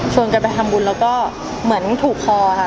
กันไปทำบุญแล้วก็เหมือนถูกคอค่ะ